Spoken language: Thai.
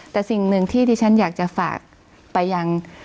แต่สิ่งหนึ่งที่ที่ฉันอยากจะฝากไปยัง